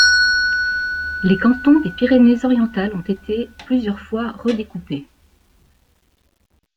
Les cantons des Pyrénées-Orientales ont été plusieurs fois redécoupés.